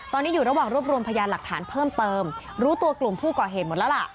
ตอนนี้อยู่ระหว่างรวบรวมพยานหลักฐานเพิ่มเติมรู้ตัวกลุ่มผู้ก่อเหตุหมดแล้วล่ะ